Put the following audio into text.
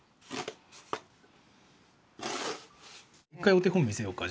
一回お手本見せようか？